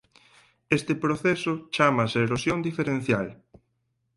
Este proceso chámase erosión diferencial.